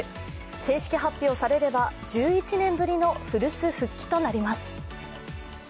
正式発表されれば１１年ぶりの古巣復帰となります。